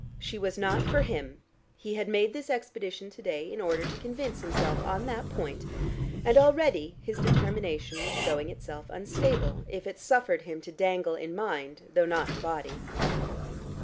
She was not for him: he had made this expedition to day in order to convince himself on that point, and already his determination was showing itself unstable, if it suffered him to dangle in mind though not in body.